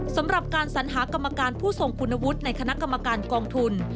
สำหรับการสัญหากรรมการผู้ทรงคุณวุฒิในคณะกรรมการกองทุน